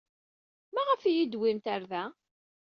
Maɣef ay iyi-d-tewwimt ɣer da?